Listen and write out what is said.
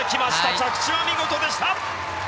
着地は見事でした！